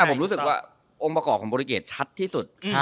ผมรู้สึกว่าองค์ประกอบของบริเกตชัดที่สุด